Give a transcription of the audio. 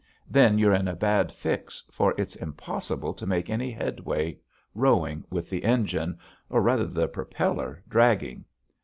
Then you're in a bad fix for it's impossible to make any headway rowing with the engine or rather the propeller dragging.